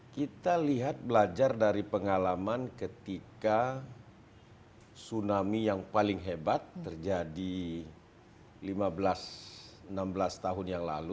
kita lihat belajar dari pengalaman ketika tsunami yang paling hebat terjadi lima belas enam belas tahun yang lalu